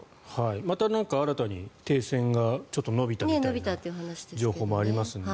また何か新たに停戦がちょっと延びたというよう情報もありますので。